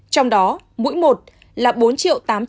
trong đó mũi một là bốn triệu